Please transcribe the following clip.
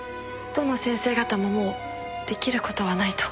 どの先生方ももうできることはないと。